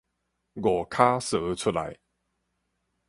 五跤趖出來